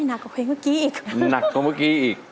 นักกว่าเพลงเมื่อกี๊อีก